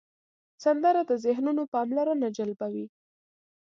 سندره د ذهنونو پاملرنه جلبوي